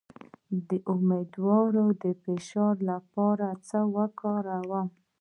د امیدوارۍ د فشار لپاره باید څه وکړم؟